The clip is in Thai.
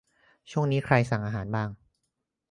ช่วงนี้ใครสั่งอาหาร